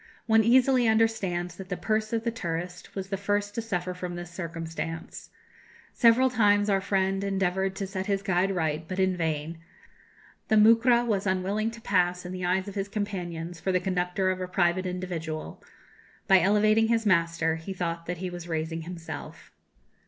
One easily understands that the purse of the tourist was the first to suffer from this circumstance. Several times our friend endeavoured to set his guide right, but in vain; the moukra was unwilling to pass, in the eyes of his companions, for the conductor of a private individual. By elevating his master he thought that he was raising himself."